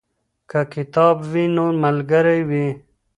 که کتاب وي نو ملګری وي.